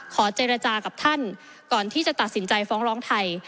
ขอเจรจากับท่านก่อนที่จะตัดสินใจฟ้องร้องไทย